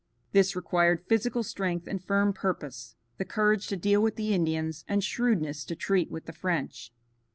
This required physical strength and firm purpose, the courage to deal with the Indians and shrewdness to treat with the French.